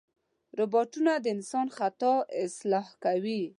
روبوټونه د انسان خطا اصلاح کوي.